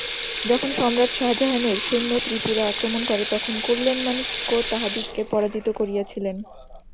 যখন সম্রাট শাজাহানের সৈন্য ত্রিপুরা আক্রমণ করে, তখন কল্যাণমাণিক্য তাহাদিগকে পরাজিত করিয়াছিলেন।